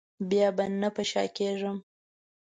بیا به نه په شا کېږم.